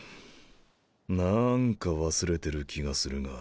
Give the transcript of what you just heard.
なんか忘れてる気がするが。